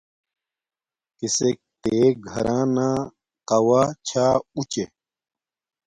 کسک تے گھرانا قوہ چھا اُچے